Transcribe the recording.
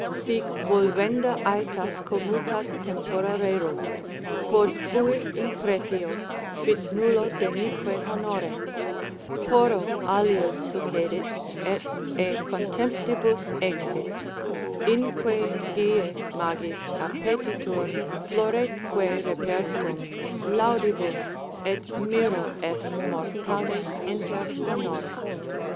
Sic volvenda ætas commutât tempora rerum: Quod fuit in pretio, fit nullo denique honore; Porro aliud succedit, et e contemptibus exit, Inque dies magis appetitur, floretque repertum Laudibus, et miro est mortales inter honore.